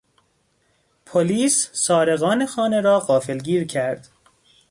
پلیس سارقان خانه را غافلگیر کرد.